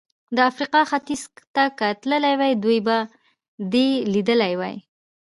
د افریقا ختیځ ته که تللی وای، دوی به دې لیدلي وای.